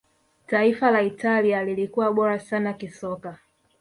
taifa la italia lilikuwa bora sana kisoka